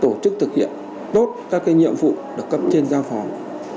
tổ chức thực hiện tốt các cái nhiệm vụ được cấp trên gia phòng